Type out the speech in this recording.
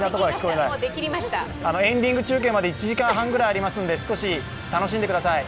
エンディング中継まで１時間半くらいありますので、少し楽しんでください。